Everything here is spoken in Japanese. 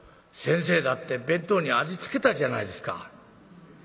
先生だって弁当にありつけたじゃないですか」。